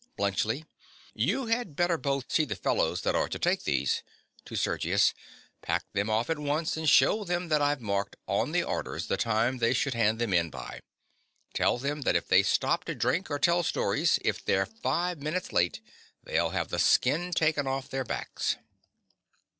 BLUNTSCHLI. You had better both see the fellows that are to take these. (To Sergius.) Pack them off at once; and shew them that I've marked on the orders the time they should hand them in by. Tell them that if they stop to drink or tell stories—if they're five minutes late, they'll have the skin taken off their backs.